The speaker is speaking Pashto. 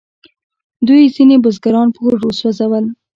دوی ځینې بزګران په اور وسوځول.